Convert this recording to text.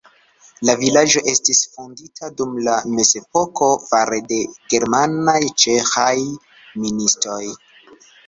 La vilaĝo estis fondita dum la mezepoko fare de germanaj-ĉeĥaj ministoj.